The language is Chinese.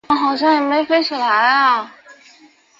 他也是澳大利亚板球国家队现在的队长。